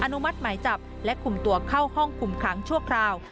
นุมัติหมายจับและคุมตัวเข้าห้องคุมขังชั่วคราว